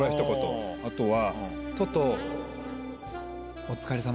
あとは。